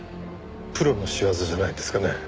プロの仕業じゃないんですかね？